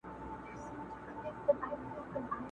د وینو په دریاب کي یو د بل وینو ته تږي!